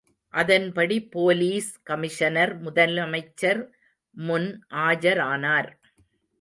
அதன்படிபோலீஸ் commissioner முதலமைச்சர் முன் ஆஜரானார்.